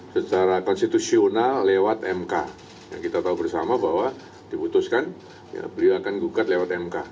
menko polhugamu wiranto